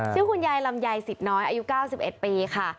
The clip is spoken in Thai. ชื่อคุณยายลำไยสิทธิน้อยอายุ๙๑ปีค่ะ